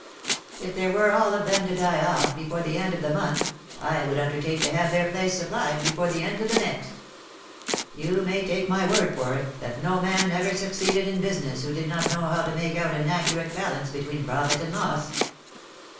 If there were all of them to die off before the end of the month, I would undertake to* have their place supplied before the end of the next. You may take my word for it that no man ever suc ceeded in business who did not know how to make out an accurate balance between profit and loss.